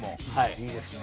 いいですね。